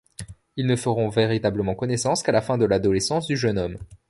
Ils ne feront véritablement connaissance qu'à la fin de l'adolescence du jeune homme.